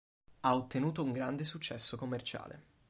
Ha ottenuto un grande successo commerciale.